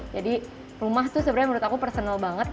jadi rumah tuh sebenarnya menurut aku personal banget